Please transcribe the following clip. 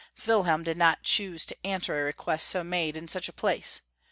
Wilhelm did not choose to an swer a request so made in such a place.